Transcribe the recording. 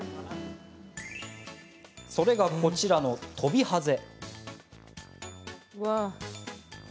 それがこちら、トビハゼ。